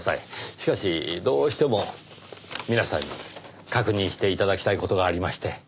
しかしどうしても皆さんに確認して頂きたい事がありまして。